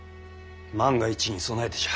万が一に備えてじゃ。